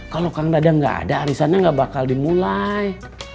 kalau kang dadang gak ada arisannya gak bakal dimulai